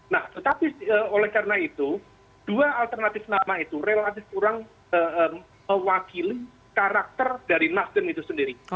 nah tetapi oleh karena itu dua alternatif nama itu relatif kurang mewakili karakter dari nasdem itu sendiri